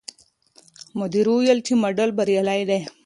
مدیر وویل چې ماډل بریالی دی.